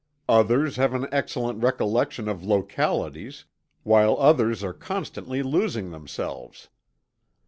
Others have an excellent recollection of localities, while others are constantly losing themselves.